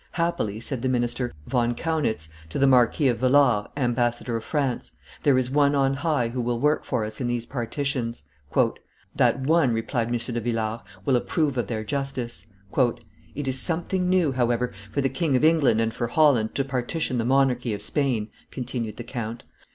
"Happily," said the minister, Von Kaunitz, to the Marquis of Villars, ambassador of France, "there is One on high who will work for us in these partitions." "That One," replied M. de Villars, "will approve of their justice." "It is something new, however, for the King of England and for Holland to partition the monarchy of Spain," continued the count.